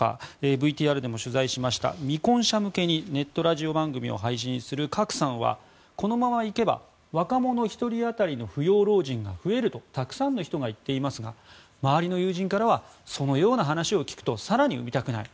ＶＴＲでも取材しました未婚者向けにネットラジオ番組を配信するクァクさんはこのままいけば若者１人当たりの扶養老人が増えるとたくさんの人が言っていますが周りの友人からはそのような話を聞くと更に産みたくない。